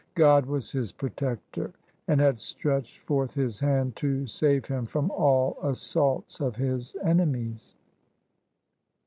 God was his protector and had stretched forth His hand to save him from all assaults of his enemies.